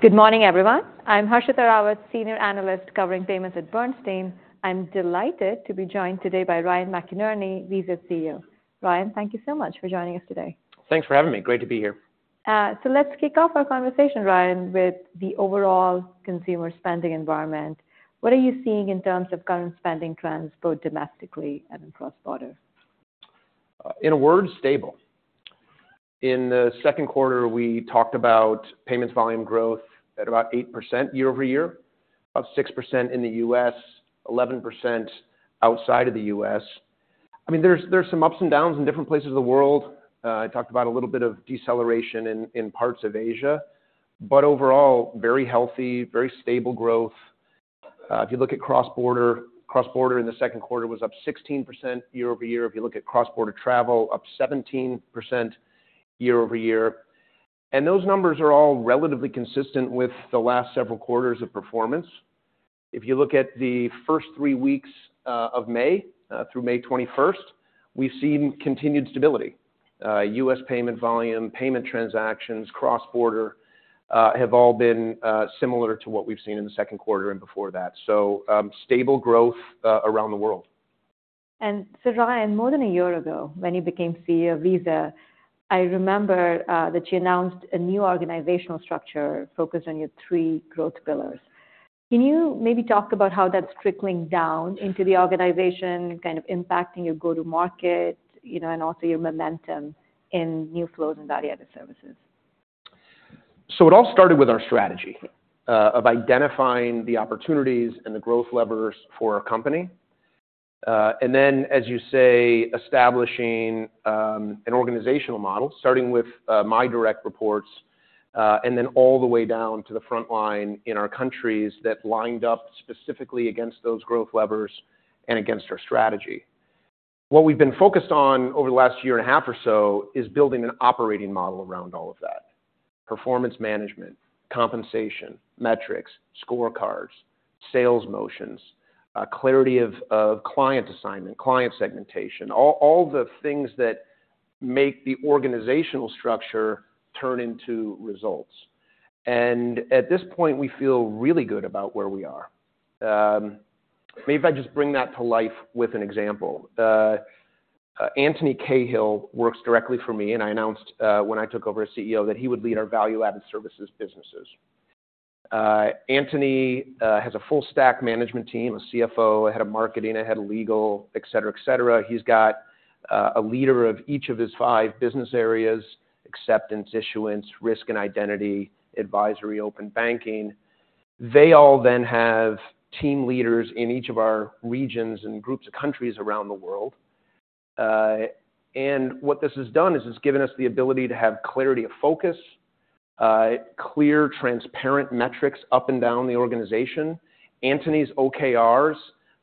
Good morning, everyone. I'm Harshita Rawat, Senior Analyst covering payments at Bernstein. I'm delighted to be joined today by Ryan McInerney, Visa's CEO. Ryan, thank you so much for joining us today. Thanks for having me. Great to be here. Let's kick off our conversation, Ryan, with the overall consumer spending environment. What are you seeing in terms of current spending trends, both domestically and cross-border? In a word, stable. In the second quarter, we talked about payments volume growth at about 8% year-over-year, of 6% in the U.S., 11% outside of the U.S. I mean, there's, there's some ups and downs in different places of the world. I talked about a little bit of deceleration in, in parts of Asia, but overall, very healthy, very stable growth. If you look at cross-border, cross-border in the second quarter was up 16% year-over-year. If you look at cross-border travel, up 17% year-over-year. And those numbers are all relatively consistent with the last several quarters of performance. If you look at the first 3 weeks of May, through May 21st, we've seen continued stability. U.S. payment volume, payment transactions, cross-border, have all been similar to what we've seen in the second quarter and before that. So, stable growth around the world. And so, Ryan, more than a year ago, when you became CEO of Visa, I remember, that you announced a new organizational structure focused on your three growth pillars. Can you maybe talk about how that's trickling down into the organization, kind of impacting your go-to-market, you know, and also your momentum in new flows in value-added services? So it all started with our strategy of identifying the opportunities and the growth levers for our company. And then, as you say, establishing an organizational model, starting with my direct reports, and then all the way down to the frontline in our countries that lined up specifically against those growth levers and against our strategy. What we've been focused on over the last year and a half or so is building an operating model around all of that: performance management, compensation, metrics, scorecards, sales motions, clarity of client assignment, client segmentation, all the things that make the organizational structure turn into results. And at this point, we feel really good about where we are. Maybe if I just bring that to life with an example. Antony Cahill works directly for me, and I announced, when I took over as CEO, that he would lead our value-added services businesses. Antony has a full-stack management team, a CFO, a head of marketing, a head of legal, etc., etc. He's got a leader of each of his five business areas: acceptance, issuance, risk and identity, advisory, open banking. They all then have team leaders in each of our regions and groups of countries around the world. What this has done is it's given us the ability to have clarity of focus, clear, transparent metrics up and down the organization. Antony's OKRs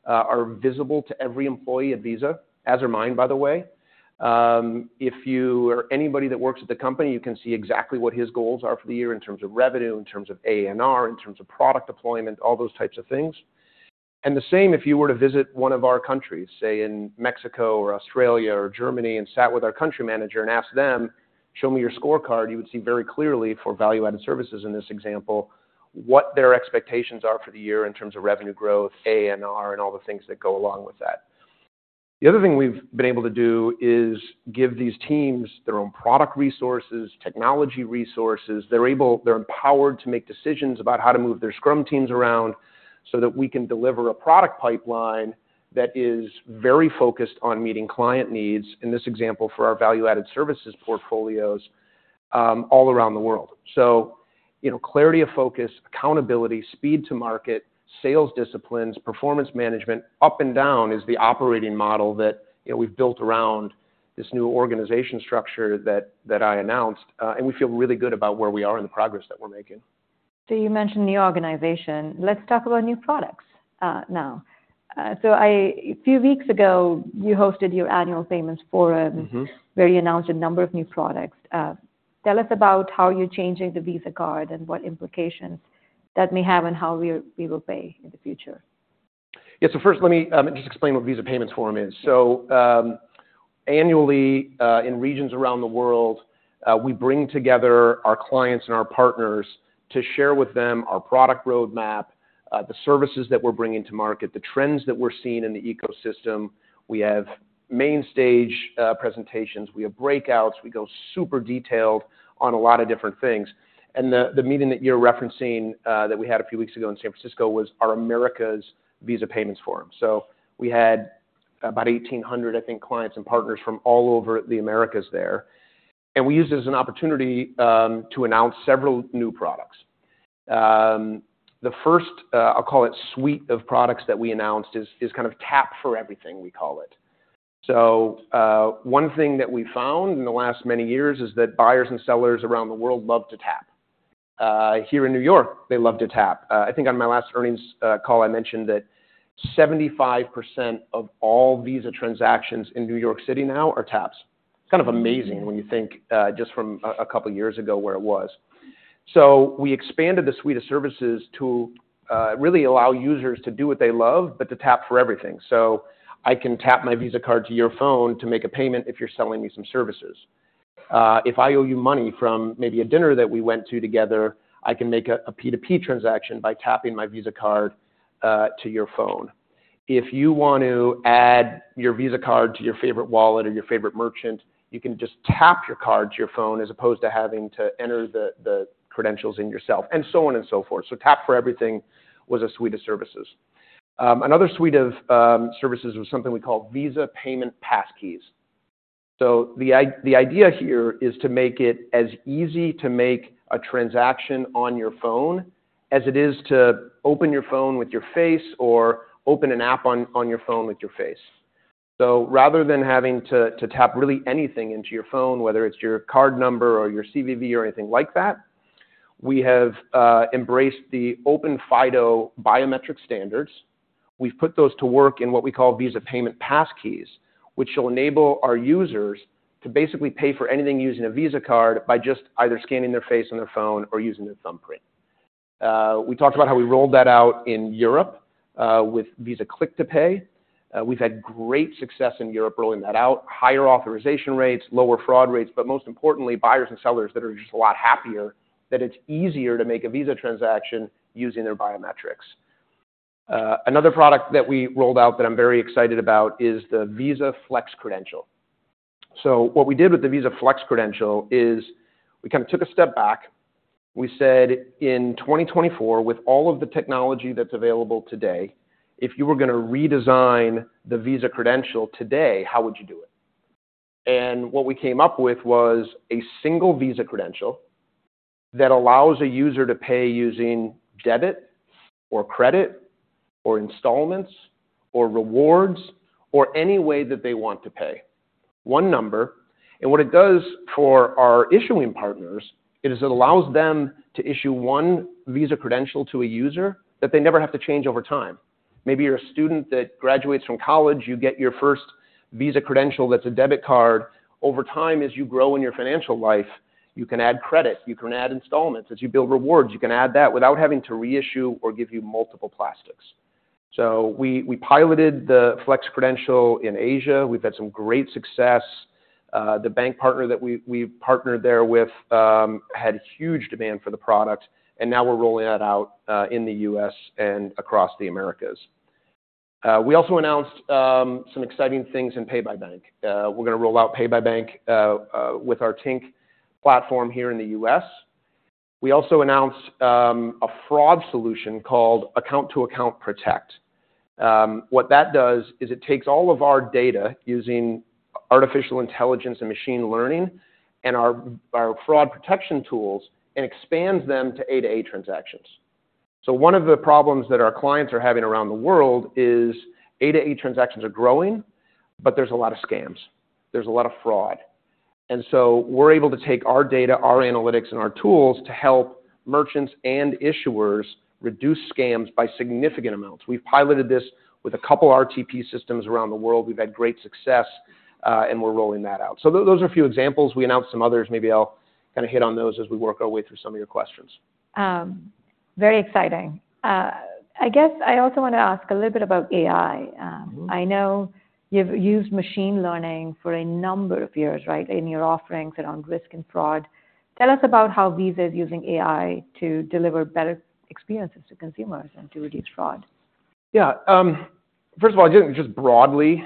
are visible to every employee at Visa, as are mine, by the way. If you are anybody that works at the company, you can see exactly what his goals are for the year in terms of revenue, in terms of A&R, in terms of product deployment, all those types of things. The same if you were to visit one of our countries, say, in Mexico or Australia or Germany, and sat with our country manager and asked them, "Show me your scorecard," you would see very clearly, for value-added services in this example, what their expectations are for the year in terms of revenue growth, A&R, and all the things that go along with that. The other thing we've been able to do is give these teams their own product resources, technology resources. They're able, they're empowered to make decisions about how to move their Scrum teams around so that we can deliver a product pipeline that is very focused on meeting client needs, in this example for our value-added services portfolios, all around the world. So, you know, clarity of focus, accountability, speed to market, sales disciplines, performance management, up and down is the operating model that, you know, we've built around this new organization structure that, that I announced. We feel really good about where we are and the progress that we're making. So you mentioned the organization. Let's talk about new products, now. So, a few weeks ago, you hosted your annual Payments Forum. Mm-hmm. Where you announced a number of new products. Tell us about how you're changing the Visa card and what implications that may have on how we will pay in the future. Yeah, so first let me just explain what the Visa Payments Forum is. So, annually, in regions around the world, we bring together our clients and our partners to share with them our product roadmap, the services that we're bringing to market, the trends that we're seeing in the ecosystem. We have main stage presentations. We have breakouts. We go super detailed on a lot of different things. And the meeting that you're referencing, that we had a few weeks ago in San Francisco was our Americas Visa Payments Forum. So we had about 1,800, I think, clients and partners from all over the Americas there. And we used it as an opportunity to announce several new products. The first, I'll call it suite of products that we announced is kind of tap for everything, we call it. One thing that we found in the last many years is that buyers and sellers around the world love to tap. Here in New York, they love to tap. I think on my last earnings call, I mentioned that 75% of all Visa transactions in New York City now are taps. It's kind of amazing when you think, just from a, a couple years ago where it was. We expanded the suite of services to really allow users to do what they love but to tap for everything. I can tap my Visa card to your phone to make a payment if you're selling me some services. If I owe you money from maybe a dinner that we went to together, I can make a, a P2P transaction by tapping my Visa card to your phone. If you want to add your Visa card to your favorite wallet or your favorite merchant, you can just tap your card to your phone as opposed to having to enter the credentials in yourself, and so on and so forth. So tap for everything was a suite of services. Another suite of services was something we call Visa Payment Passkeys. So the idea here is to make it as easy to make a transaction on your phone as it is to open your phone with your face or open an app on your phone with your face. So rather than having to tap really anything into your phone, whether it's your card number or your CVV or anything like that, we have embraced the open FIDO biometric standards. We've put those to work in what we call Visa Payment Passkeys, which will enable our users to basically pay for anything using a Visa card by just either scanning their face on their phone or using their thumbprint. We talked about how we rolled that out in Europe, with Visa Click to Pay. We've had great success in Europe rolling that out, higher authorization rates, lower fraud rates, but most importantly, buyers and sellers that are just a lot happier that it's easier to make a Visa transaction using their biometrics. Another product that we rolled out that I'm very excited about is the Visa Flex Credential. So what we did with the Visa Flex Credential is we kind of took a step back. We said, "In 2024, with all of the technology that's available today, if you were gonna redesign the Visa credential today, how would you do it?" And what we came up with was a single Visa credential that allows a user to pay using debit or credit or installments or rewards or any way that they want to pay. One number. And what it does for our issuing partners is it allows them to issue one Visa credential to a user that they never have to change over time. Maybe you're a student that graduates from college. You get your first Visa credential that's a debit card. Over time, as you grow in your financial life, you can add credit. You can add installments. As you build rewards, you can add that without having to reissue or give you multiple plastics. So we piloted the Flex Credential in Asia. We've had some great success. The bank partner that we, we partnered there with, had huge demand for the product. Now we're rolling that out in the U.S. and across the Americas. We also announced some exciting things in Pay by Bank. We're gonna roll out Pay by Bank with our Tink platform here in the U.S. We also announced a fraud solution called Account-to-Account Protect. What that does is it takes all of our data using artificial intelligence and machine learning and our, our fraud protection tools and expands them to A-to-A transactions. So one of the problems that our clients are having around the world is A-to-A transactions are growing, but there's a lot of scams. There's a lot of fraud. And so we're able to take our data, our analytics, and our tools to help merchants and issuers reduce scams by significant amounts. We've piloted this with a couple RTP systems around the world. We've had great success, and we're rolling that out. So those are a few examples. We announced some others. Maybe I'll kinda hit on those as we work our way through some of your questions. Very exciting. I guess I also wanna ask a little bit about AI. I know you've used machine learning for a number of years, right, in your offerings around risk and fraud. Tell us about how Visa is using AI to deliver better experiences to consumers and to reduce fraud. Yeah. First of all, I just broadly,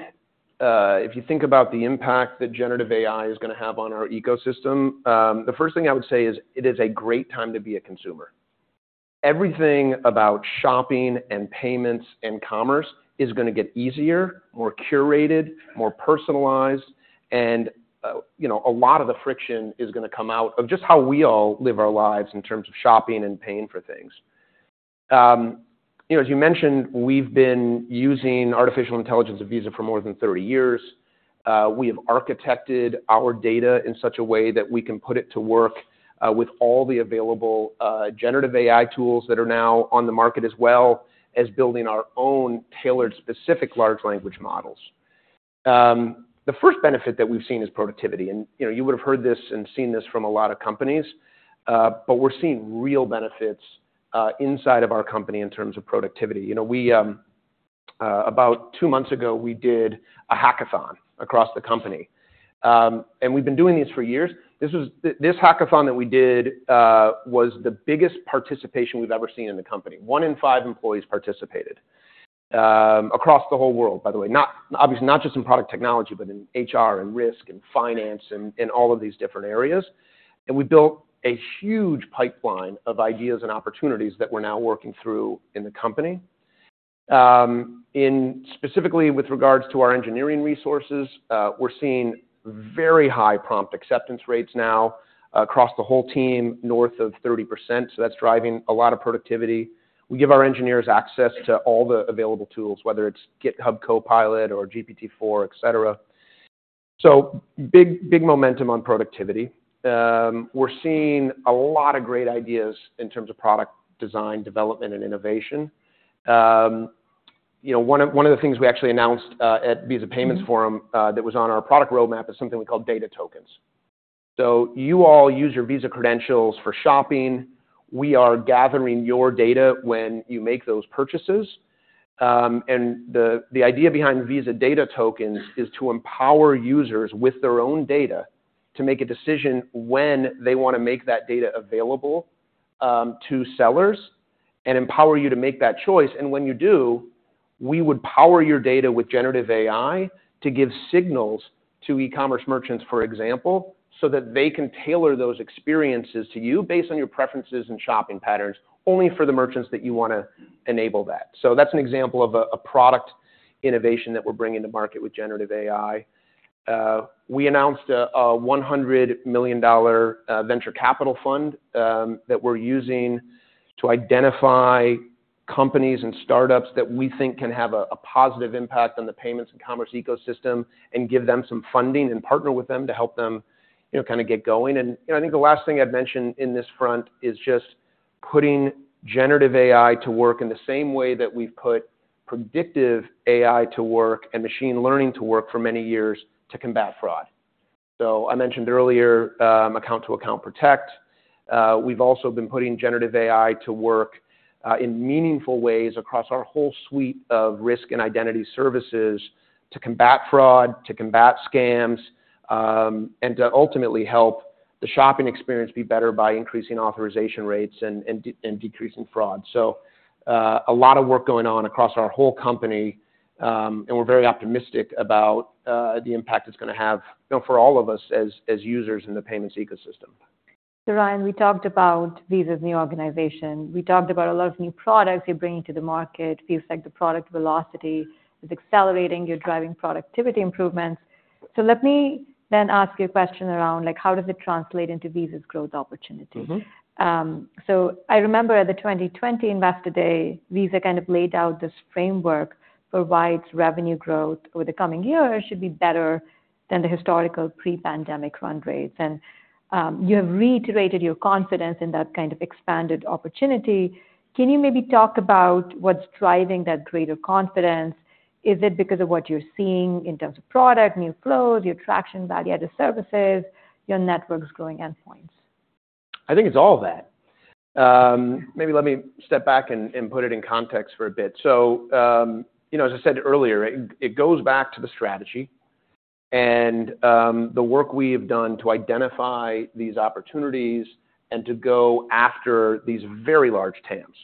if you think about the impact that generative AI is gonna have on our ecosystem, the first thing I would say is it is a great time to be a consumer. Everything about shopping and payments and commerce is gonna get easier, more curated, more personalized. You know, a lot of the friction is gonna come out of just how we all live our lives in terms of shopping and paying for things. You know, as you mentioned, we've been using artificial intelligence at Visa for more than 30 years. We have architected our data in such a way that we can put it to work, with all the available, generative AI tools that are now on the market, as well as building our own tailored, specific large language models. The first benefit that we've seen is productivity. You know, you would have heard this and seen this from a lot of companies. But we're seeing real benefits inside of our company in terms of productivity. You know, we, about 2 months ago, we did a hackathon across the company. And we've been doing these for years. This was this hackathon that we did, was the biggest participation we've ever seen in the company. 1 in 5 employees participated, across the whole world, by the way. Not obviously, not just in product technology, but in HR and risk and finance and all of these different areas. And we built a huge pipeline of ideas and opportunities that we're now working through in the company. Specifically with regards to our engineering resources, we're seeing very high prompt acceptance rates now across the whole team, north of 30%. So that's driving a lot of productivity. We give our engineers access to all the available tools, whether it's GitHub Copilot or GPT-4, etc. So big, big momentum on productivity. We're seeing a lot of great ideas in terms of product design, development, and innovation. You know, one of the things we actually announced at Visa Payments Forum that was on our product roadmap is something we call Data Tokens. So you all use your Visa credentials for shopping. We are gathering your data when you make those purchases. And the idea behind Visa Data Tokens is to empower users with their own data to make a decision when they wanna make that data available to sellers and empower you to make that choice. When you do, we would power your data with generative AI to give signals to e-commerce merchants, for example, so that they can tailor those experiences to you based on your preferences and shopping patterns only for the merchants that you wanna enable that. So that's an example of a product innovation that we're bringing to market with generative AI. We announced a $100 million venture capital fund that we're using to identify companies and startups that we think can have a positive impact on the payments and commerce ecosystem and give them some funding and partner with them to help them, you know, kinda get going. You know, I think the last thing I'd mention in this front is just putting generative AI to work in the same way that we've put predictive AI to work and machine learning to work for many years to combat fraud. So I mentioned earlier, Account-to-Account Protect. We've also been putting generative AI to work, in meaningful ways across our whole suite of risk and identity services to combat fraud, to combat scams, and to ultimately help the shopping experience be better by increasing authorization rates and decreasing fraud. A lot of work going on across our whole company. We're very optimistic about the impact it's gonna have, you know, for all of us as users in the payments ecosystem. So, Ryan, we talked about Visa's new organization. We talked about a lot of new products you're bringing to the market. Feels like the product velocity is accelerating. You're driving productivity improvements. So let me then ask you a question around, like, how does it translate into Visa's growth opportunity? Mm-hmm. So I remember at the 2020 Investor Day, Visa kind of laid out this framework for why its revenue growth over the coming years should be better than the historical pre-pandemic run rates. You have reiterated your confidence in that kind of expanded opportunity. Can you maybe talk about what's driving that greater confidence? Is it because of what you're seeing in terms of product, new flows, your traction value at the services, your networks growing endpoints? I think it's all that. Maybe let me step back and, and put it in context for a bit. So, you know, as I said earlier, it, it goes back to the strategy and, the work we have done to identify these opportunities and to go after these very large TAMs.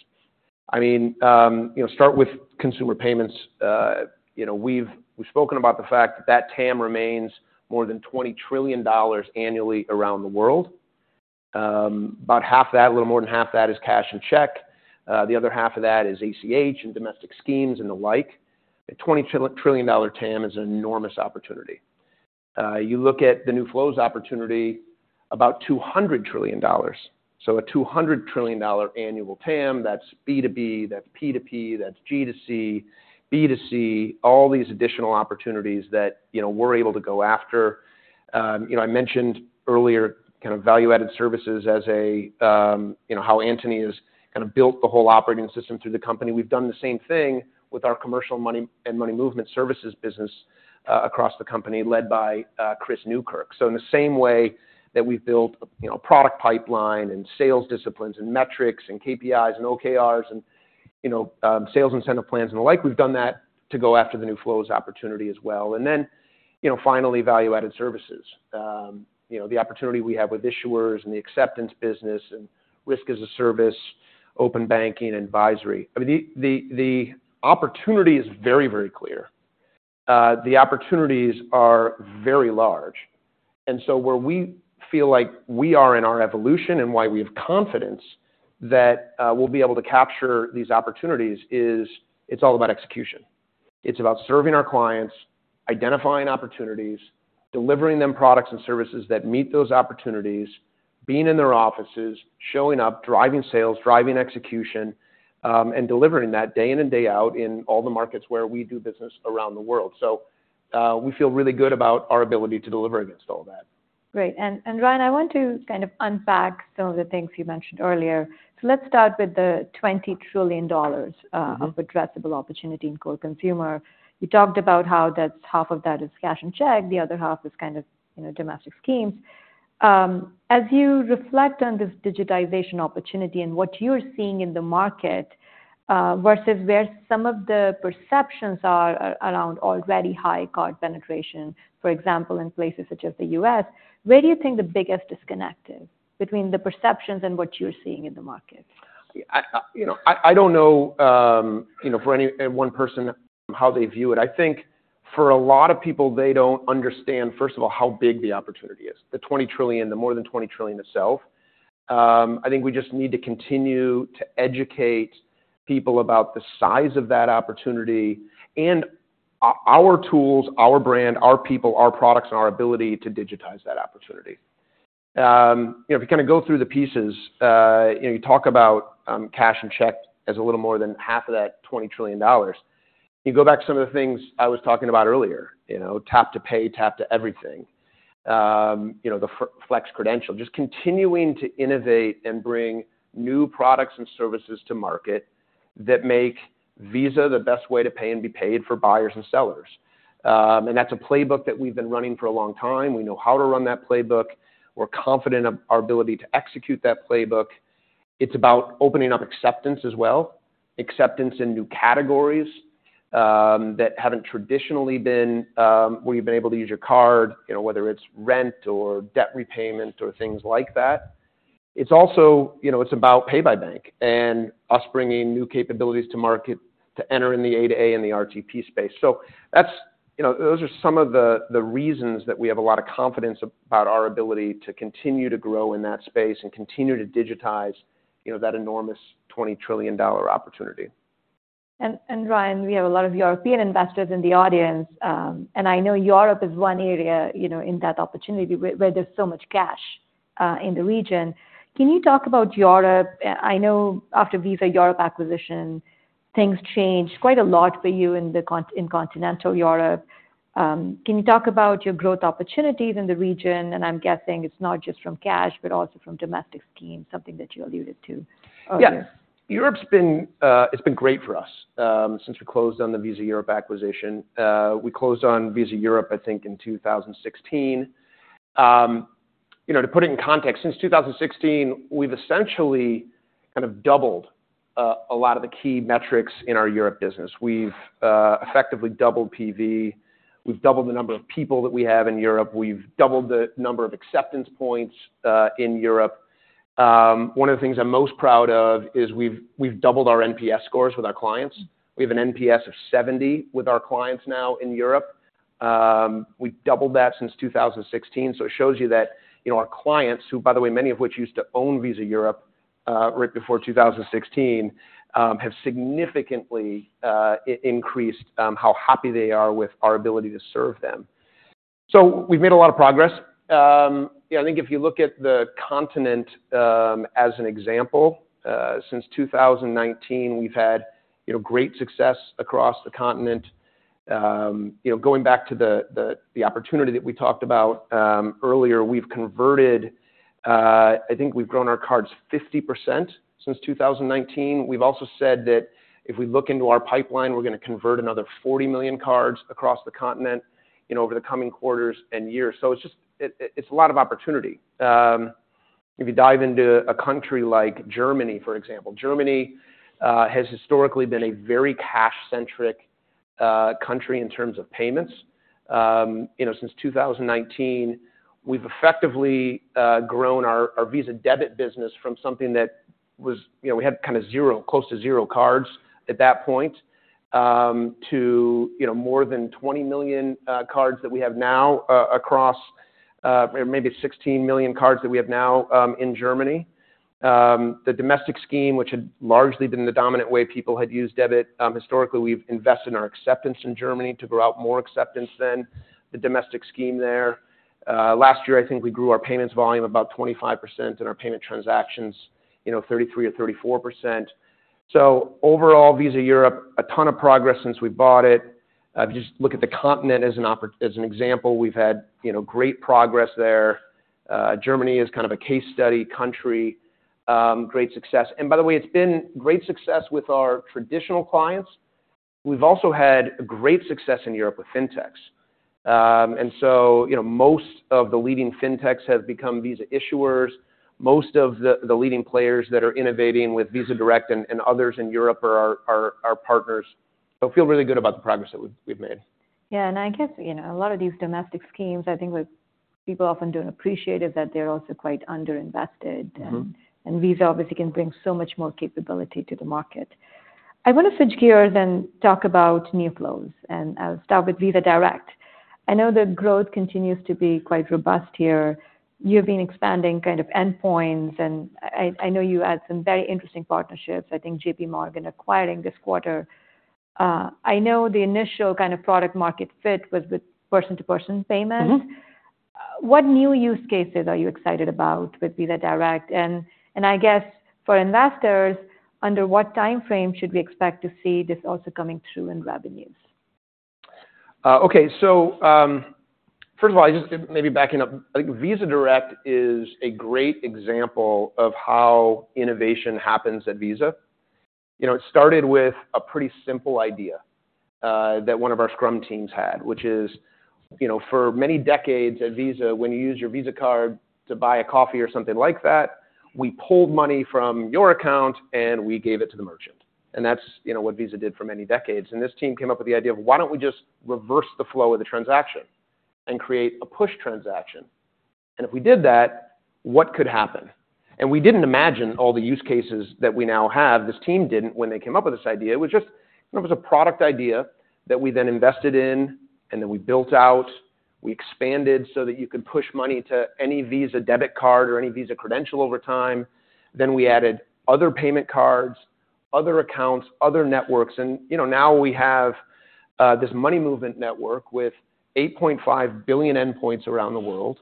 I mean, you know, start with consumer payments. You know, we've we've spoken about the fact that that TAM remains more than $20 trillion annually around the world. About half that, a little more than half that, is cash and check. The other half of that is ACH and domestic schemes and the like. A $20 trillion TAM is an enormous opportunity. You look at the new flows opportunity, about $200 trillion. So a $200 trillion annual TAM, that's B2B, that's P2P, that's G2C, B2C, all these additional opportunities that, you know, we're able to go after. You know, I mentioned earlier kind of value-added services as a, you know, how Antony has kinda built the whole operating system through the company. We've done the same thing with our commercial money and money movement services business, across the company led by Chris Newkirk. So in the same way that we've built, you know, a product pipeline and sales disciplines and metrics and KPIs and OKRs and, you know, sales incentive plans and the like, we've done that to go after the new flows opportunity as well. And then, you know, finally, value-added services. You know, the opportunity we have with issuers and the acceptance business and risk as a service, open banking, advisory. I mean, the opportunity is very, very clear. The opportunities are very large. And so, where we feel like we are in our evolution and why we have confidence that we'll be able to capture these opportunities is, it's all about execution. It's about serving our clients, identifying opportunities, delivering them products and services that meet those opportunities, being in their offices, showing up, driving sales, driving execution, and delivering that day in and day out in all the markets where we do business around the world. So, we feel really good about our ability to deliver against all that. Great. And, Ryan, I want to kind of unpack some of the things you mentioned earlier. So let's start with the $20 trillion addressable opportunity in core consumer. You talked about how that's half of that is cash and check. The other half is kind of, you know, domestic schemes. As you reflect on this digitization opportunity and what you're seeing in the market, versus where some of the perceptions are around already high card penetration, for example, in places such as the U.S., where do you think the biggest disconnect is between the perceptions and what you're seeing in the market? I don't know, you know, for any one person, how they view it. I think for a lot of people, they don't understand, first of all, how big the opportunity is, the $20 trillion, the more than $20 trillion itself. I think we just need to continue to educate people about the size of that opportunity and our tools, our brand, our people, our products, and our ability to digitize that opportunity. You know, if you kinda go through the pieces, you know, you talk about cash and check as a little more than half of that $20 trillion. You go back to some of the things I was talking about earlier, you know, tap to pay, tap to everything. You know, the Flex Credential, just continuing to innovate and bring new products and services to market that make Visa the best way to pay and be paid for buyers and sellers. And that's a playbook that we've been running for a long time. We know how to run that playbook. We're confident of our ability to execute that playbook. It's about opening up acceptance as well, acceptance in new categories that haven't traditionally been where you've been able to use your card, you know, whether it's rent or debt repayment or things like that. It's also, you know, it's about Pay by Bank and us bringing new capabilities to market to enter in the A-to-A and the RTP space. That's, you know, those are some of the reasons that we have a lot of confidence about our ability to continue to grow in that space and continue to digitize, you know, that enormous $20 trillion opportunity. Ryan, we have a lot of European investors in the audience. I know Europe is one area, you know, in that opportunity where there's so much cash in the region. Can you talk about Europe? I know after Visa Europe acquisition, things changed quite a lot for you in continental Europe. Can you talk about your growth opportunities in the region? And I'm guessing it's not just from cash but also from domestic schemes, something that you alluded to earlier. Yes. Europe's been, it's been great for us, since we closed on the Visa Europe acquisition. We closed on Visa Europe, I think, in 2016. You know, to put it in context, since 2016, we've essentially kind of doubled a lot of the key metrics in our Europe business. We've effectively doubled PV. We've doubled the number of people that we have in Europe. We've doubled the number of acceptance points in Europe. One of the things I'm most proud of is we've doubled our NPS scores with our clients. We have an NPS of 70 with our clients now in Europe. We've doubled that since 2016. So it shows you that, you know, our clients, who, by the way, many of which used to own Visa Europe right before 2016, have significantly increased how happy they are with our ability to serve them. So we've made a lot of progress. You know, I think if you look at the continent, as an example, since 2019, we've had, you know, great success across the continent. You know, going back to the opportunity that we talked about earlier, we've converted, I think we've grown our cards 50% since 2019. We've also said that if we look into our pipeline, we're gonna convert another 40 million cards across the continent, you know, over the coming quarters and years. So it's just it's a lot of opportunity. If you dive into a country like Germany, for example, Germany has historically been a very cash-centric country in terms of payments. You know, since 2019, we've effectively grown our Visa debit business from something that was, you know, we had kinda zero, close to zero cards at that point, to, you know, more than 20 million cards that we have now, or maybe 16 million cards that we have now, in Germany. The domestic scheme, which had largely been the dominant way people had used debit, historically, we've invested in our acceptance in Germany to grow out more acceptance than the domestic scheme there. Last year, I think we grew our payments volume about 25% and our payment transactions, you know, 33%-34%. So overall, Visa Europe [has made] a ton of progress since we bought it. If you just look at the continent as an opportunity as an example, we've had, you know, great progress there. Germany is kind of a case study country, great success. By the way, it's been great success with our traditional clients. We've also had great success in Europe with fintechs. And so, you know, most of the leading fintechs have become Visa issuers. Most of the leading players that are innovating with Visa Direct and others in Europe are partners. So I feel really good about the progress that we've made. Yeah. And I guess, you know, a lot of these domestic schemes, I think what people often don't appreciate is that they're also quite underinvested. Mm-hmm. Visa obviously can bring so much more capability to the market. I wanna switch gears and talk about new flows. I'll start with Visa Direct. I know the growth continues to be quite robust here. You've been expanding kind of endpoints. I know you had some very interesting partnerships. I think JPMorgan acquiring this quarter. I know the initial kind of product-market fit was with person-to-person payments. Mm-hmm. What new use cases are you excited about with Visa Direct? And, I guess for investors, under what timeframe should we expect to see this also coming through in revenues? Okay. First of all, I just maybe backing up. I think Visa Direct is a great example of how innovation happens at Visa. You know, it started with a pretty simple idea, that one of our Scrum teams had, which is, you know, for many decades at Visa, when you use your Visa card to buy a coffee or something like that, we pulled money from your account and we gave it to the merchant. And that's, you know, what Visa did for many decades. And this team came up with the idea of, "Why don't we just reverse the flow of the transaction and create a push transaction? And if we did that, what could happen?" And we didn't imagine all the use cases that we now have. This team didn't when they came up with this idea. It was just, you know, it was a product idea that we then invested in and then we built out. We expanded so that you could push money to any Visa debit card or any Visa credential over time. Then we added other payment cards, other accounts, other networks. And, you know, now we have this money movement network with 8.5 billion endpoints around the world.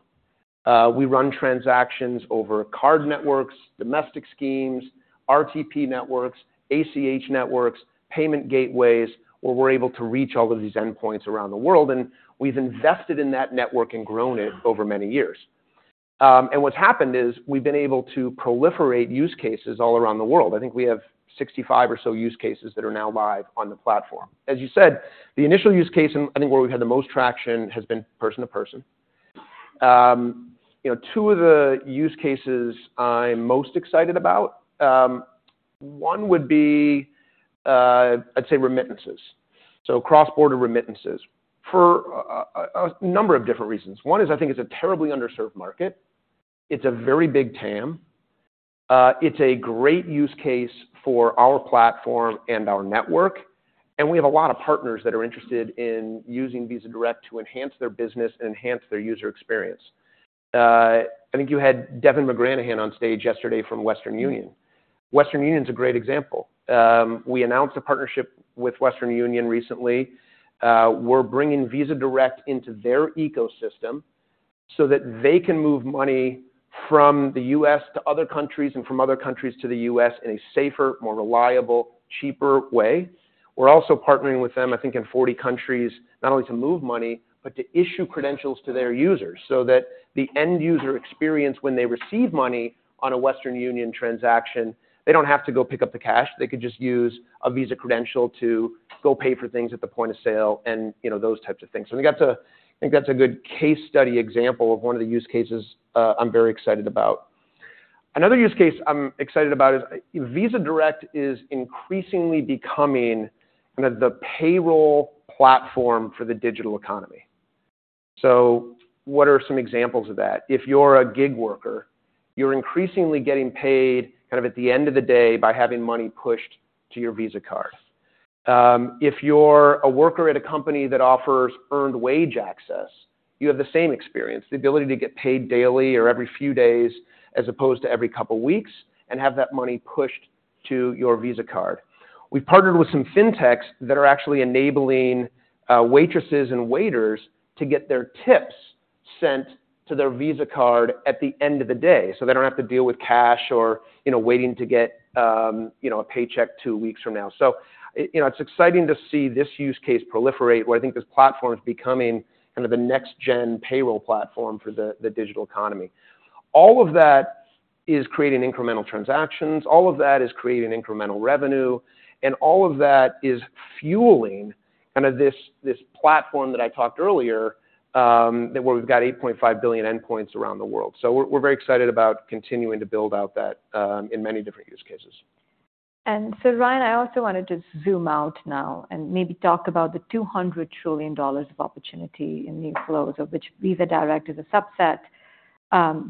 We run transactions over card networks, domestic schemes, RTP networks, ACH networks, payment gateways where we're able to reach all of these endpoints around the world. And we've invested in that network and grown it over many years. And what's happened is we've been able to proliferate use cases all around the world. I think we have 65 or so use cases that are now live on the platform. As you said, the initial use case, and I think where we've had the most traction, has been person-to-person. You know, two of the use cases I'm most excited about, one would be, I'd say remittances, so cross-border remittances for a number of different reasons. One is I think it's a terribly underserved market. It's a very big TAM. It's a great use case for our platform and our network. And we have a lot of partners that are interested in using Visa Direct to enhance their business and enhance their user experience. I think you had Devin McGranahan on stage yesterday from Western Union. Western Union's a great example. We announced a partnership with Western Union recently. We're bringing Visa Direct into their ecosystem so that they can move money from the U.S. to other countries and from other countries to the U.S. in a safer, more reliable, cheaper way. We're also partnering with them, I think, in 40 countries, not only to move money but to issue credentials to their users so that the end user experience when they receive money on a Western Union transaction, they don't have to go pick up the cash. They could just use a Visa credential to go pay for things at the point of sale and, you know, those types of things. So I think that's a I think that's a good case study example of one of the use cases, I'm very excited about. Another use case I'm excited about is, you know, Visa Direct is increasingly becoming kind of the payroll platform for the digital economy. So what are some examples of that? If you're a gig worker, you're increasingly getting paid kind of at the end of the day by having money pushed to your Visa card. If you're a worker at a company that offers earned wage access, you have the same experience, the ability to get paid daily or every few days as opposed to every couple of weeks and have that money pushed to your Visa card. We've partnered with some fintechs that are actually enabling waitresses and waiters to get their tips sent to their Visa card at the end of the day so they don't have to deal with cash or, you know, waiting to get, you know, a paycheck two weeks from now. So, you know, it's exciting to see this use case proliferate where I think this platform's becoming kind of the next-gen payroll platform for the, the digital economy. All of that is creating incremental transactions. All of that is creating incremental revenue. And all of that is fueling kind of this, this platform that I talked earlier, that where we've got 8.5 billion endpoints around the world. So we're, we're very excited about continuing to build out that, in many different use cases. And so, Ryan, I also wanna just zoom out now and maybe talk about the $200 trillion of opportunity in new flows of which Visa Direct is a subset.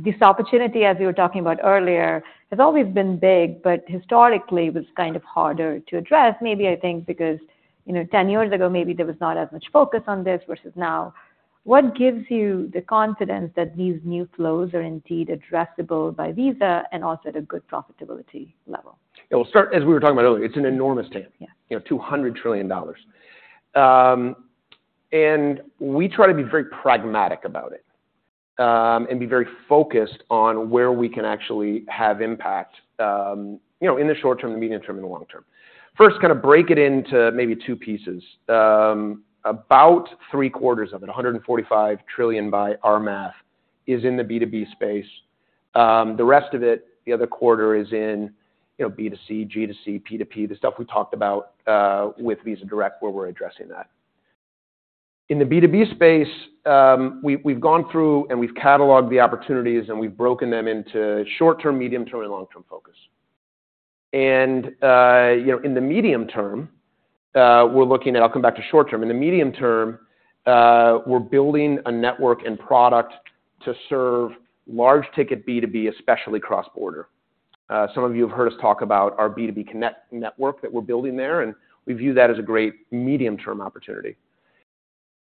This opportunity, as you were talking about earlier, has always been big but historically, it was kind of harder to address, maybe, I think, because, you know, 10 years ago, maybe there was not as much focus on this versus now. What gives you the confidence that these new flows are indeed addressable by Visa and also at a good profitability level? Yeah. We'll start, as we were talking about earlier, it's an enormous TAM. Yes. You know, $200 trillion. We try to be very pragmatic about it, and be very focused on where we can actually have impact, you know, in the short term, the medium term, and the long term. First, kinda break it into maybe two pieces. About three-quarters of it, $145 trillion by our math, is in the B2B space. The rest of it, the other quarter, is in, you know, B2C, G2C, P2P, the stuff we talked about, with Visa Direct where we're addressing that. In the B2B space, we've gone through and we've cataloged the opportunities, and we've broken them into short term, medium term, and long term focus. You know, in the medium term, we're looking at. I'll come back to short term. In the medium term, we're building a network and product to serve large-ticket B2B, especially cross-border. Some of you have heard us talk about our B2B Connect network that we're building there, and we view that as a great medium-term opportunity.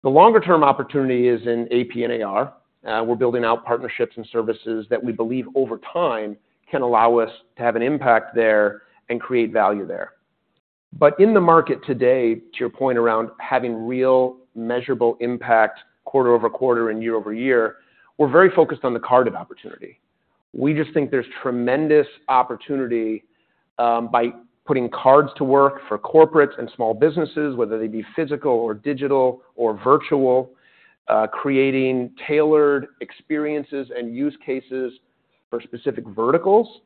The longer-term opportunity is in AP and AR. We're building out partnerships and services that we believe over time can allow us to have an impact there and create value there. But in the market today, to your point around having real, measurable impact quarter-over- quarter and year-over-year, we're very focused on the carded opportunity. We just think there's tremendous opportunity, by putting cards to work for corporates and small businesses, whether they be physical or digital or virtual, creating tailored experiences and use cases for specific verticals,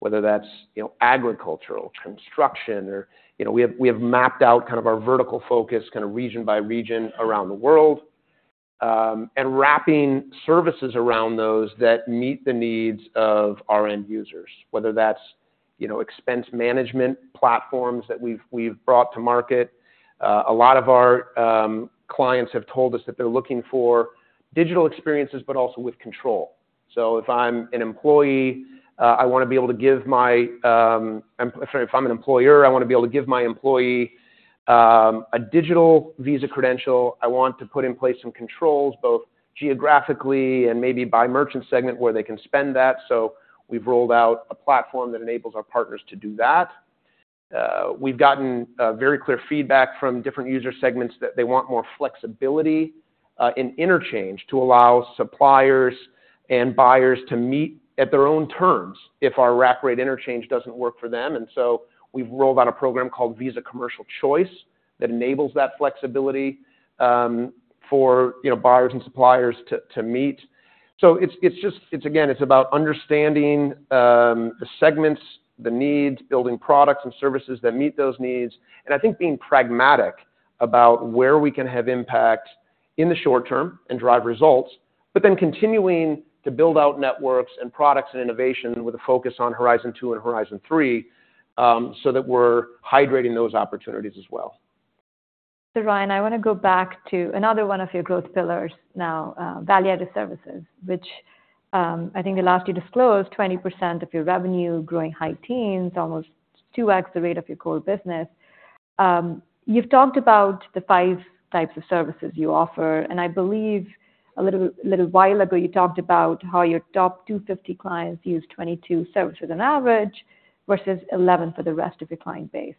whether that's, you know, agricultural, construction, or, you know, we have mapped out kind of our vertical focus kinda region by region around the world, and wrapping services around those that meet the needs of our end users, whether that's, you know, expense management platforms that we've brought to market. A lot of our clients have told us that they're looking for digital experiences but also with control. So if I'm an employer, I wanna be able to give my employee a digital Visa credential. I want to put in place some controls both geographically and maybe by merchant segment where they can spend that. So we've rolled out a platform that enables our partners to do that. We've gotten very clear feedback from different user segments that they want more flexibility in interchange to allow suppliers and buyers to meet at their own terms if our rack rate interchange doesn't work for them. And so we've rolled out a program called Visa Commercial Choice that enables that flexibility for, you know, buyers and suppliers to meet. So it's just, again, it's about understanding the segments, the needs, building products and services that meet those needs, and I think being pragmatic about where we can have impact in the short term and drive results, but then continuing to build out networks and products and innovation with a focus on Horizon 2 and Horizon 3, so that we're hydrating those opportunities as well. So, Ryan, I wanna go back to another one of your growth pillars now, value-added services, which, I think the last you disclosed, 20% of your revenue, growing high teens, almost 2X the rate of your core business. You've talked about the five types of services you offer. And I believe a little, little while ago, you talked about how your top 250 clients use 22 services on average versus 11 for the rest of your client base.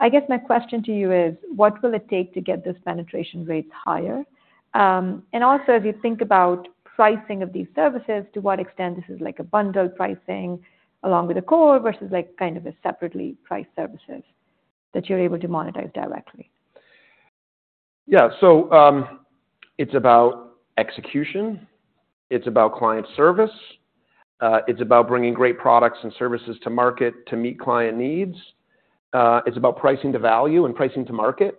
I guess my question to you is, what will it take to get this penetration rates higher? And also, as you think about pricing of these services, to what extent this is like a bundle pricing along with the core versus, like, kind of separately priced services that you're able to monetize directly? Yeah. So, it's about execution. It's about client service. It's about bringing great products and services to market to meet client needs. It's about pricing to value and pricing to market,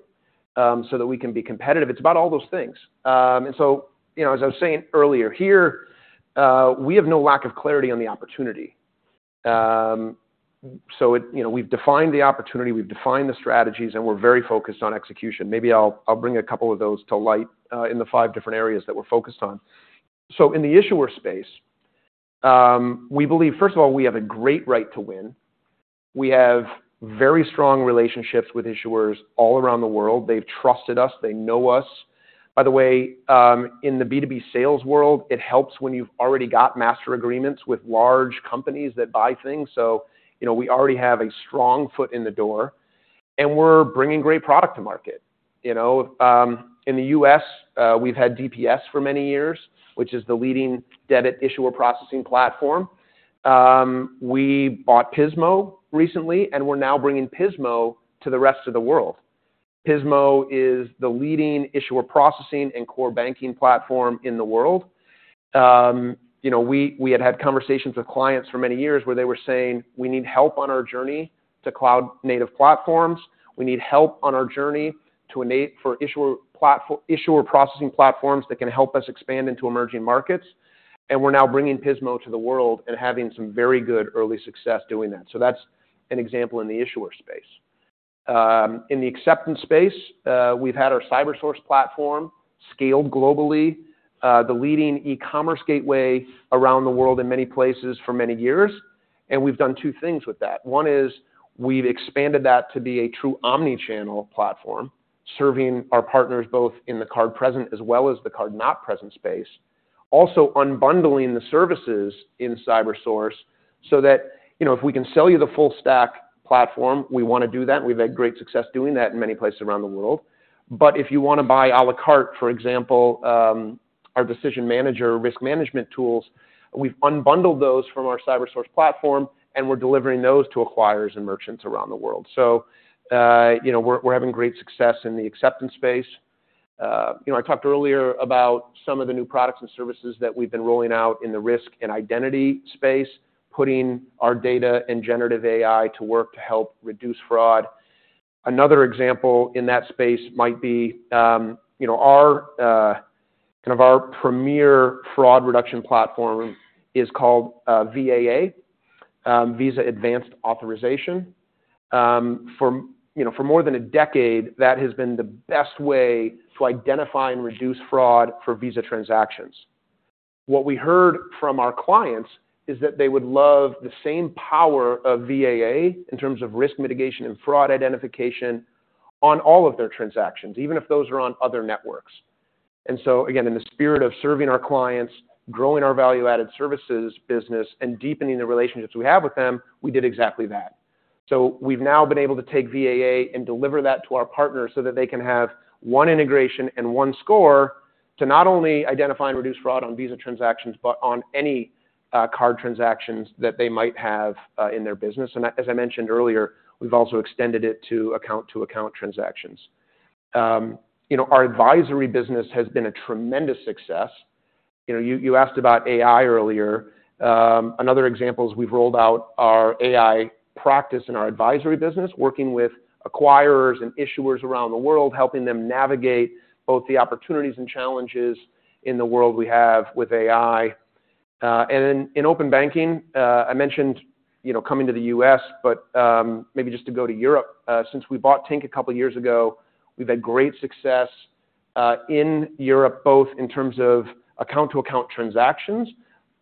so that we can be competitive. It's about all those things. And so, you know, as I was saying earlier here, we have no lack of clarity on the opportunity. So, you know, we've defined the opportunity. We've defined the strategies, and we're very focused on execution. Maybe I'll, I'll bring a couple of those to light, in the five different areas that we're focused on. So in the issuer space, we believe, first of all, we have a great right to win. We have very strong relationships with issuers all around the world. They've trusted us. They know us. By the way, in the B2B sales world, it helps when you've already got master agreements with large companies that buy things. So, you know, we already have a strong foot in the door. And we're bringing great product to market, you know. In the U.S., we've had DPS for many years, which is the leading debit issuer processing platform. We bought Pismo recently, and we're now bringing Pismo to the rest of the world. Pismo is the leading issuer processing and core banking platform in the world. You know, we had had conversations with clients for many years where they were saying, "We need help on our journey to cloud-native platforms. We need help on our journey to enable for issuer platform issuer processing platforms that can help us expand into emerging markets." We're now bringing Pismo to the world and having some very good early success doing that. That's an example in the issuer space. In the acceptance space, we've had our Cybersource platform scaled globally, the leading e-commerce gateway around the world in many places for many years. We've done two things with that. One is we've expanded that to be a true omnichannel platform serving our partners both in the card-present as well as the card-not-present space, also unbundling the services in Cybersource so that, you know, if we can sell you the full-stack platform, we wanna do that. We've had great success doing that in many places around the world. But if you wanna buy à la carte, for example, our decision manager risk management tools, we've unbundled those from our Cybersource platform, and we're delivering those to acquirers and merchants around the world. So, you know, we're having great success in the acceptance space. You know, I talked earlier about some of the new products and services that we've been rolling out in the risk and identity space, putting our data and generative AI to work to help reduce fraud. Another example in that space might be, you know, our kind of our premier fraud reduction platform is called VAA, Visa Advanced Authorization. For more than a decade, that has been the best way to identify and reduce fraud for Visa transactions. What we heard from our clients is that they would love the same power of VAA in terms of risk mitigation and fraud identification on all of their transactions, even if those are on other networks. And so, again, in the spirit of serving our clients, growing our value-added services business, and deepening the relationships we have with them, we did exactly that. So we've now been able to take VAA and deliver that to our partners so that they can have one integration and one score to not only identify and reduce fraud on Visa transactions but on any card transactions that they might have in their business. And as I mentioned earlier, we've also extended it to account-to-account transactions. You know, our advisory business has been a tremendous success. You know, you asked about AI earlier. Another example is we've rolled out our AI practice in our advisory business, working with acquirers and issuers around the world, helping them navigate both the opportunities and challenges in the world we have with AI. And then in open banking, I mentioned, you know, coming to the U.S. but maybe just to go to Europe. Since we bought Tink a couple of years ago, we've had great success in Europe both in terms of account-to-account transactions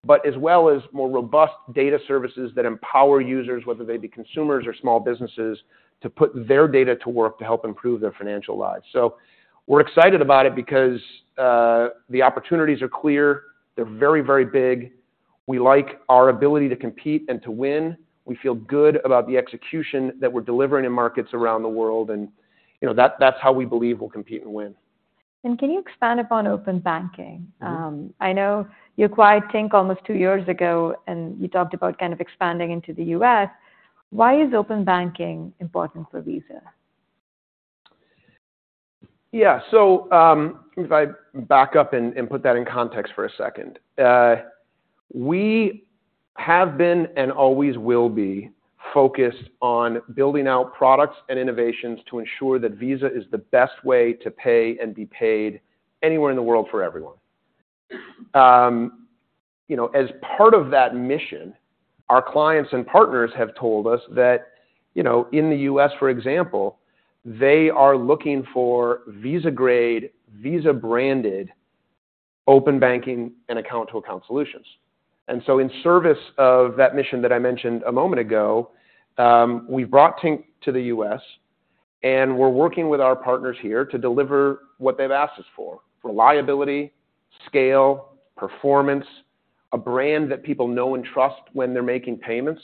but as well as more robust data services that empower users, whether they be consumers or small businesses, to put their data to work to help improve their financial lives. So we're excited about it because the opportunities are clear. They're very, very big. We like our ability to compete and to win. We feel good about the execution that we're delivering in markets around the world. You know, that's how we believe we'll compete and win. Can you expand upon open banking? I know you acquired Tink almost two years ago, and you talked about kind of expanding into the U.S. Why is open banking important for Visa? Yeah. So, if I back up and put that in context for a second, we have been and always will be focused on building out products and innovations to ensure that Visa is the best way to pay and be paid anywhere in the world for everyone. You know, as part of that mission, our clients and partners have told us that, you know, in the U.S., for example, they are looking for Visa-grade, Visa-branded open banking and account-to-account solutions. And so in service of that mission that I mentioned a moment ago, we've brought Tink to the U.S., and we're working with our partners here to deliver what they've asked us for: reliability, scale, performance, a brand that people know and trust when they're making payments.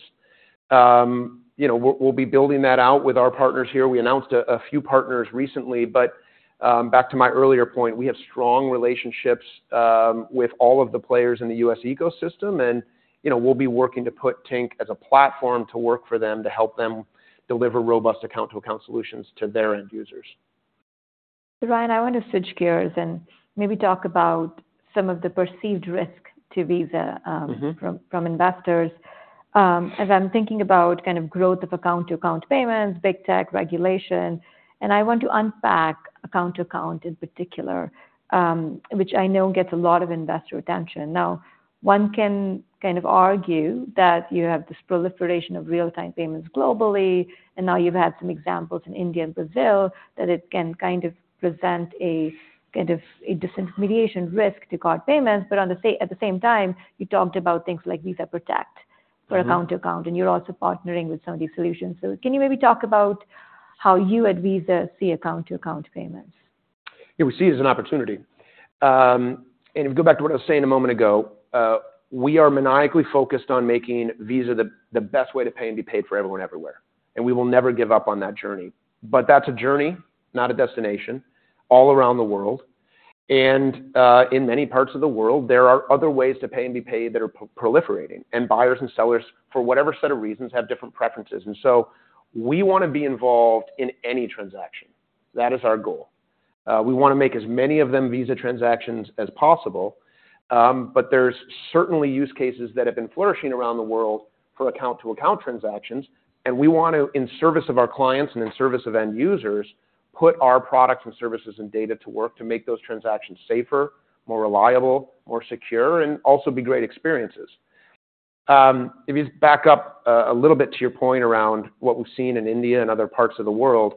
You know, we'll be building that out with our partners here. We announced a few partners recently. But, back to my earlier point, we have strong relationships with all of the players in the U.S. ecosystem. You know, we'll be working to put Tink as a platform to work for them to help them deliver robust account-to-account solutions to their end users. So, Ryan, I wanna switch gears and maybe talk about some of the perceived risk to Visa, from investors. As I'm thinking about kind of growth of account-to-account payments, big tech regulation, and I want to unpack account-to-account in particular, which I know gets a lot of investor attention. Now, one can kind of argue that you have this proliferation of real-time payments globally. And now you've had some examples in India and Brazil that it can kind of present a kind of a disintermediation risk to card payments. But at the same time, you talked about things like Visa Protect for account-to-account. And you're also partnering with some of these solutions. So can you maybe talk about how you at Visa see account-to-account payments? Yeah. We see it as an opportunity. And if we go back to what I was saying a moment ago, we are maniacally focused on making Visa the, the best way to pay and be paid for everyone everywhere. And we will never give up on that journey. But that's a journey, not a destination, all around the world. And, in many parts of the world, there are other ways to pay and be paid that are proliferating. And buyers and sellers, for whatever set of reasons, have different preferences. And so we wanna be involved in any transaction. That is our goal. We wanna make as many of them Visa transactions as possible. But there's certainly use cases that have been flourishing around the world for account-to-account transactions. And we wanna, in service of our clients and in service of end users, put our products and services and data to work to make those transactions safer, more reliable, more secure, and also be great experiences. If you just back up, a little bit to your point around what we've seen in India and other parts of the world,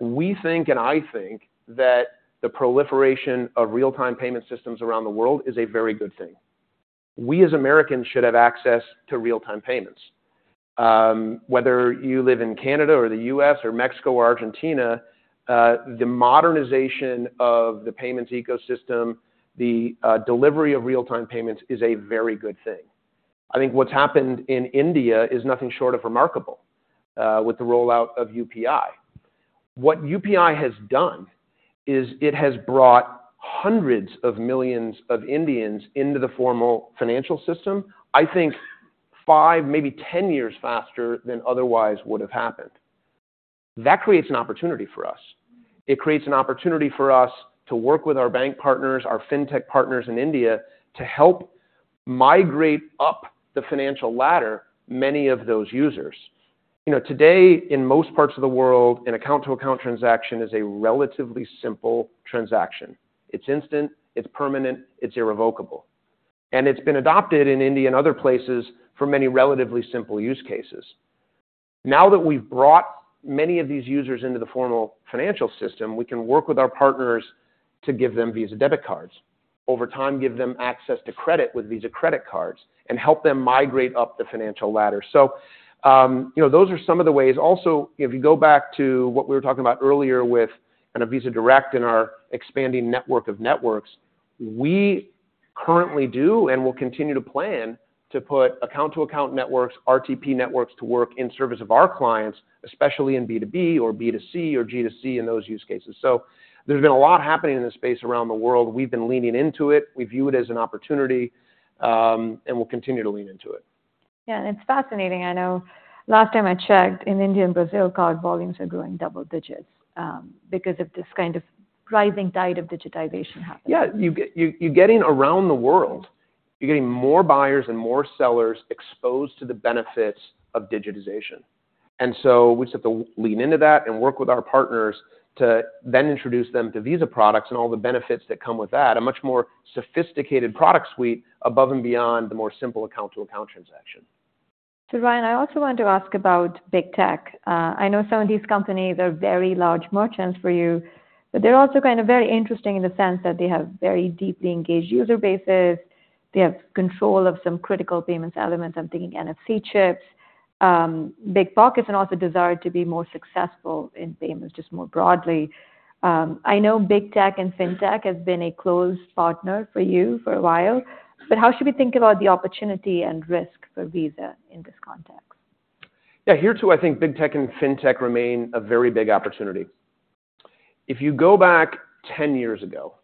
we think and I think that the proliferation of real-time payment systems around the world is a very good thing. We, as Americans, should have access to real-time payments. Whether you live in Canada or the U.S. or Mexico or Argentina, the modernization of the payments ecosystem, the, delivery of real-time payments is a very good thing. I think what's happened in India is nothing short of remarkable, with the rollout of UPI. What UPI has done is it has brought hundreds of millions of Indians into the formal financial system, I think, 5, maybe 10 years faster than otherwise would have happened. That creates an opportunity for us. It creates an opportunity for us to work with our bank partners, our fintech partners in India to help migrate up the financial ladder many of those users. You know, today, in most parts of the world, an account-to-account transaction is a relatively simple transaction. It's instant. It's permanent. It's irrevocable. And it's been adopted in India and other places for many relatively simple use cases. Now that we've brought many of these users into the formal financial system, we can work with our partners to give them Visa debit cards, over time give them access to credit with Visa credit cards, and help them migrate up the financial ladder. So, you know, those are some of the ways. Also, you know, if you go back to what we were talking about earlier with kind of Visa Direct and our expanding network of networks, we currently do and will continue to plan to put account-to-account networks, RTP networks to work in service of our clients, especially in B2B or B2C or G2C in those use cases. So there's been a lot happening in this space around the world. We've been leaning into it. We view it as an opportunity. And we'll continue to lean into it. Yeah. It's fascinating. I know last time I checked, in India and Brazil, card volumes are growing double digits, because of this kind of rising tide of digitization happening. Yeah. You're getting around the world, you're getting more buyers and more sellers exposed to the benefits of digitization. And so we just have to lean into that and work with our partners to then introduce them to Visa products and all the benefits that come with that, a much more sophisticated product suite above and beyond the more simple account-to-account transaction. So, Ryan, I also wanted to ask about big tech. I know some of these companies are very large merchants for you. But they're also kind of very interesting in the sense that they have very deeply engaged user bases. They have control of some critical payments elements. I'm thinking NFC chips, big pockets, and also desire to be more successful in payments just more broadly. I know big tech and fintech have been a close partner for you for a while. But how should we think about the opportunity and risk for Visa in this context? Yeah. Here, too, I think big tech and fintech remain a very big opportunity. If you go back 10 years ago,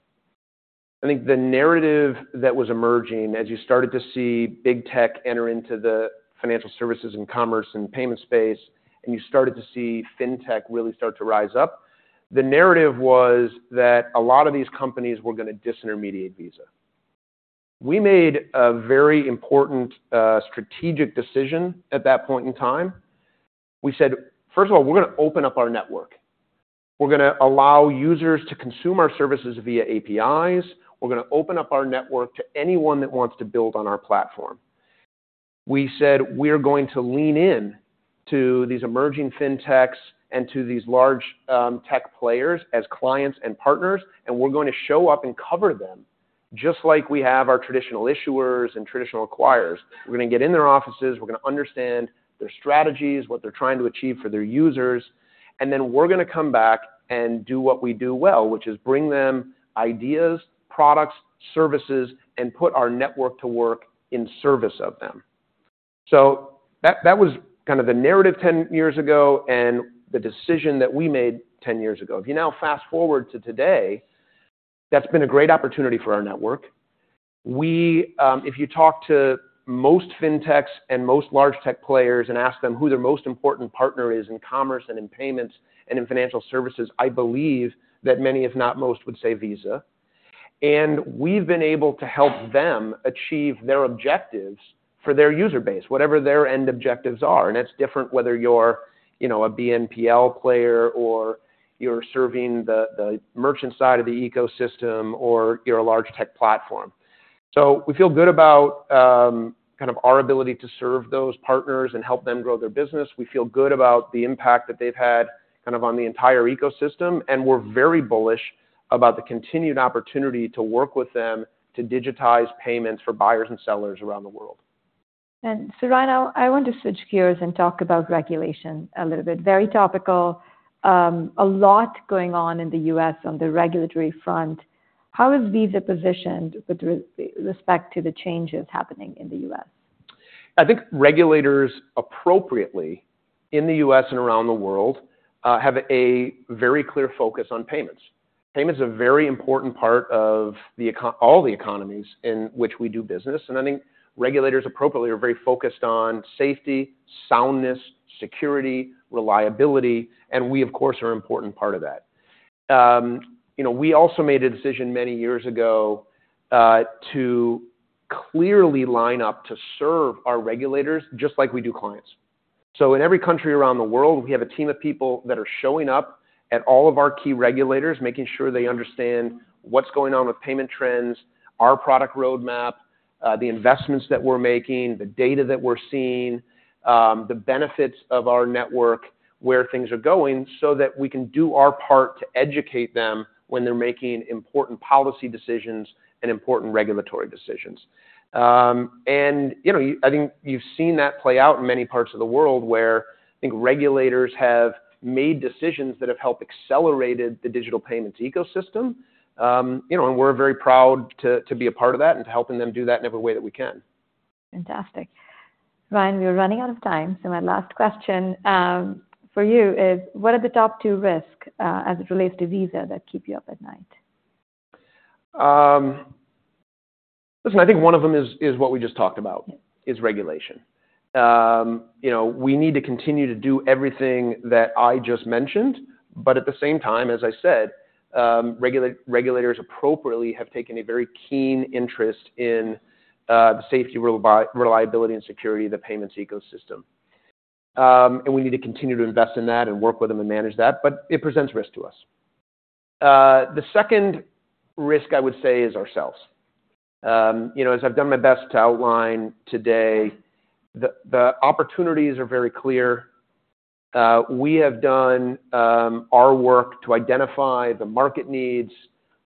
I think the narrative that was emerging as you started to see big tech enter into the financial services and commerce and payment space and you started to see fintech really start to rise up, the narrative was that a lot of these companies were gonna disintermediate Visa. We made a very important, strategic decision at that point in time. We said, "First of all, we're gonna open up our network. We're gonna allow users to consume our services via APIs. We're gonna open up our network to anyone that wants to build on our platform." We said, "We are going to lean in to these emerging fintechs and to these large, tech players as clients and partners. We're going to show up and cover them just like we have our traditional issuers and traditional acquirers. We're gonna get in their offices. We're gonna understand their strategies, what they're trying to achieve for their users. And then we're gonna come back and do what we do well, which is bring them ideas, products, services, and put our network to work in service of them." So, that was kind of the narrative 10 years ago and the decision that we made 10 years ago. If you now fast-forward to today, that's been a great opportunity for our network. We, if you talk to most fintechs and most large tech players and ask them who their most important partner is in commerce and in payments and in financial services, I believe that many, if not most, would say Visa. We've been able to help them achieve their objectives for their user base, whatever their end objectives are. That's different whether you're, you know, a BNPL player or you're serving the merchant side of the ecosystem or you're a large tech platform. We feel good about kind of our ability to serve those partners and help them grow their business. We feel good about the impact that they've had kind of on the entire ecosystem. We're very bullish about the continued opportunity to work with them to digitize payments for buyers and sellers around the world. And so, Ryan, I, I want to switch gears and talk about regulation a little bit. Very topical. A lot going on in the U.S. on the regulatory front. How is Visa positioned with respect to the changes happening in the U.S.? I think regulators, appropriately, in the U.S. and around the world, have a very clear focus on payments. Payments are a very important part of the ecosystem of all the economies in which we do business. I think regulators, appropriately, are very focused on safety, soundness, security, reliability. We, of course, are an important part of that. You know, we also made a decision many years ago to clearly align to serve our regulators just like we do clients. So in every country around the world, we have a team of people that are showing up at all of our key regulators, making sure they understand what's going on with payment trends, our product roadmap, the investments that we're making, the data that we're seeing, the benefits of our network, where things are going so that we can do our part to educate them when they're making important policy decisions and important regulatory decisions. You know, you I think you've seen that play out in many parts of the world where I think regulators have made decisions that have helped accelerated the digital payments ecosystem. You know, we're very proud to, to be a part of that and to helping them do that in every way that we can. Fantastic. Ryan, we are running out of time. My last question for you is, what are the top two risks, as it relates to Visa, that keep you up at night? Listen, I think one of them is what we just talked about: regulation. You know, we need to continue to do everything that I just mentioned. But at the same time, as I said, regulators appropriately have taken a very keen interest in the safety, reliability, and security of the payments ecosystem. And we need to continue to invest in that and work with them and manage that. But it presents risk to us. The second risk, I would say, is ourselves. You know, as I've done my best to outline today, the opportunities are very clear. We have done our work to identify the market needs,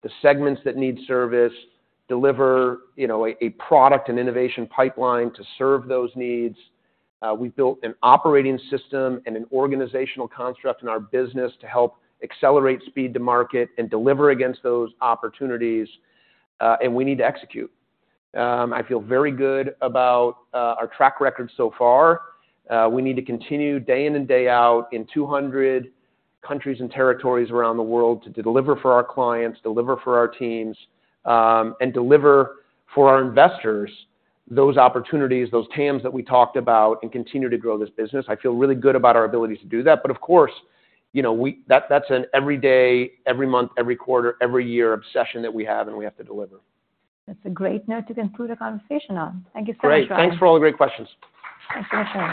the segments that need service, deliver, you know, a product and innovation pipeline to serve those needs. We've built an operating system and an organizational construct in our business to help accelerate speed to market and deliver against those opportunities. We need to execute. I feel very good about our track record so far. We need to continue day in and day out in 200 countries and territories around the world to deliver for our clients, deliver for our teams, and deliver for our investors those opportunities, those TAMs that we talked about, and continue to grow this business. I feel really good about our ability to do that. But, of course, you know, that that's an every day, every month, every quarter, every year obsession that we have. And we have to deliver. That's a great note to conclude our conversation on. Thank you so much, Ryan. Great. Thanks for all the great questions. Thanks so much, Ryan.